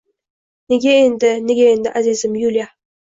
Nega endi, nega endi, azizam Yuliya!